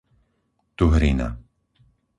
Tuhrina